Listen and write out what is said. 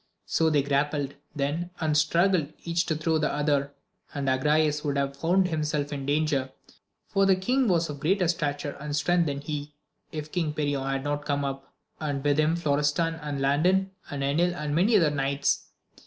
So they grappled then, and struggled each to overthrow the other ; and Agrayes would have found himself in danger, for the king was of greater stature and strength than he, if King Perion had not come up, and with him Florestan, and Landin, and Enil, and many other knights.